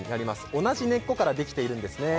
同じ根っこからできているんですね。